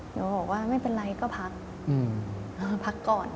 หนูบอกว่าไม่เป็นไรก็พักพักก่อน